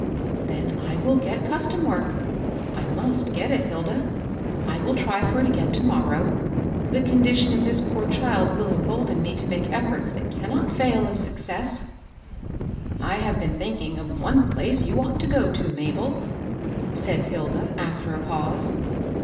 " Then I will get custom work ;— I muBt get it^ Hilda. I will try for it agaiw W xcksstt^^ * T^oa 802 MABEL BOSS. condition of this poor child will embolden me to make efforts that cannot fail of success,'* " I have been thinking of one place you ought to go to, Mabel," said Hilda, after a pause.